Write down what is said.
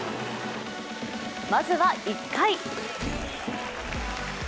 まずは１回。